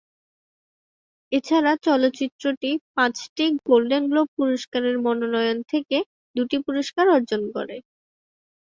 এছাড়া চলচ্চিত্রটি পাঁচটি গোল্ডেন গ্লোব পুরস্কারের মনোনয়ন থেকে দুটি পুরস্কার অর্জন করে।